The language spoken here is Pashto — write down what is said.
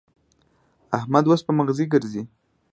احمد اوس په مغزي ګرزي.